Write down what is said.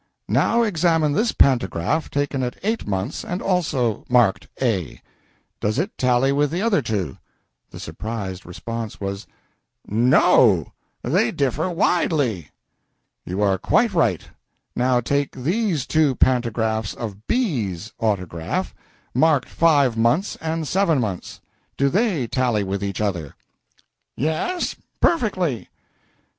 "Now examine this pantograph, taken at eight months, and also marked A. Does it tally with the other two?" The surprised response was "No they differ widely!" "You are quite right. Now take these two pantographs of B's autograph, marked five months and seven months. Do they tally with each other?" "Yes perfectly."